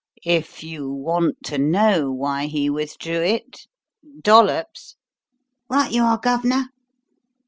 If you want to know why he withdrew it Dollops!" "Right you are, Gov'nor."